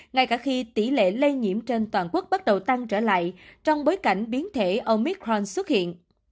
ngay cả khi tỷ lệ lây nhiễm trên toàn quốc bắt đầu tăng trở lại trong bối cảnh biến thể omitron xuất hiện